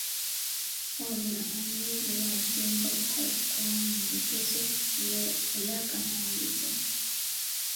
Wabula omuyizi waddembe obutazikola mu bigezo eby’akamalirizo.